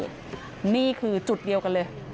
โชว์บ้านในพื้นที่เขารู้สึกยังไงกับเรื่องที่เกิดขึ้น